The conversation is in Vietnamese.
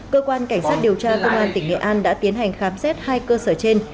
cơ quan cảnh sát điều tra công an tỉnh nghệ an đã tiến hành khám xét hai cơ sở trên